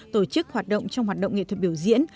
tổ chức hoạt động trong hoạt động nghệ thuật biểu diễn